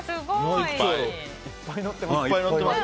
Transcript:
いっぱい載ってます。